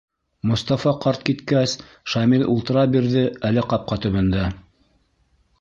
Мостафа ҡарт киткәс, Шамил ултыра бирҙе әле ҡапҡа төбөндә.